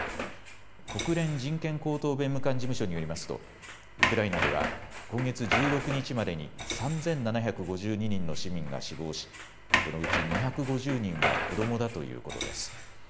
国連人権高等弁務官事務所によりますとウクライナでは今月１６日までに３７５２人の市民が死亡し、このうち２５０人は子どもだということです。